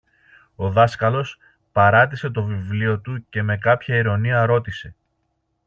Ο δάσκαλος παράτησε το βιβλίο του και με κάποια ειρωνεία ρώτησε